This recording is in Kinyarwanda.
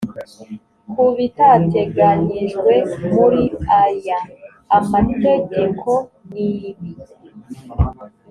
ku bitateganyijwe muri aya amategeko nibi